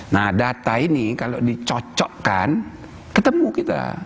nah data ini kalau dicocokkan ketemu kita